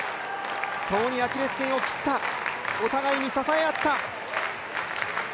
共にアキレスけんを切った、お互いに支え合った。